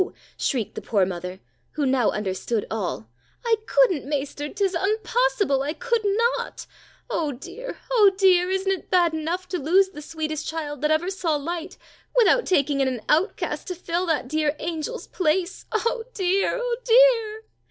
shrieked the poor mother, who now understood all. "I couldn't, maester, 'tis unpossible, I could not. Oh dear! oh dear! isn't it bad enough to lose the sweetest child that ever saw light, without taking in an outcast to fill that dear angel's place? Oh dear! oh dear!"